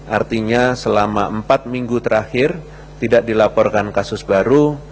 artinya selama empat minggu terakhir tidak dilaporkan kasus baru